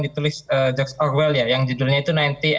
ditulis george orwell ya yang judulnya itu